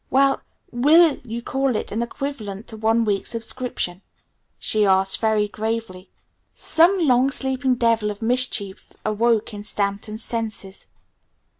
"Well, will you call it an equivalent to one week's subscription?" she asked very gravely. Some long sleeping devil of mischief awoke in Stanton's senses.